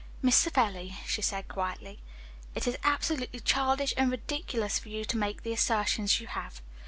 "Miss Savelli," she said quietly, "it is absolutely childish and ridiculous for you to make the assertions you have.